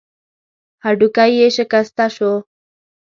هډوکی يې شکسته شو.